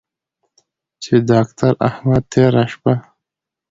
چې داکتر احمد تېره شپه